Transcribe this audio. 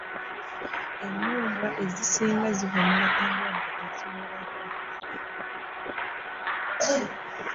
Emmumbwa ezisinga zivumula endwadde eziwerako.